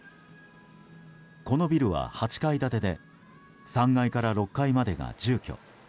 このビルは８階建てで３階から６階までが住居。